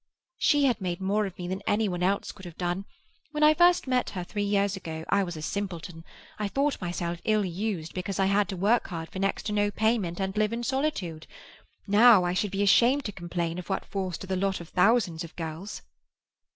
"She had made more of me than any one else could have done. When I first met her, three years ago, I was a simpleton; I thought myself ill used because I had to work hard for next to no payment and live in solitude. Now I should be ashamed to complain of what falls to the lot of thousands of girls."